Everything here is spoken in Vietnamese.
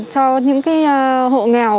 cho những hộ nghèo